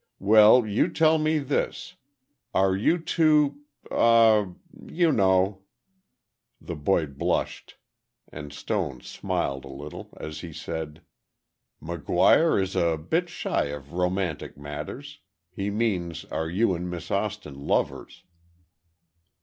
"Well you tell me this. Are you two—aw—you know—" The boy blushed, and Stone smiled a little as he said: "McGuire is a bit shy of romantic matters. He means are you and Miss Austin lovers?"